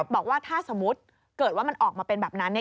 บอกว่าถ้าสมมุติเกิดว่ามันออกมาเป็นแบบนั้น